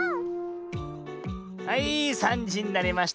はい３じになりました。